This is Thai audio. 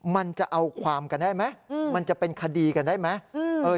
มันจะเอาความกันได้ไหมมันจะเป็นคดีกันได้ไหม